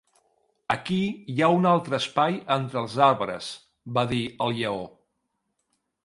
"Aquí hi ha un altre espai entre els arbres", va dir el lleó.